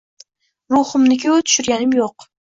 Ruhimni-ku tushirganim yo`q